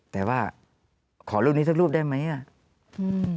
แต่ว่าขอรูปนี้ทั้งรูปได้ไหม